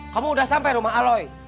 kamu udah sampai rumah aloy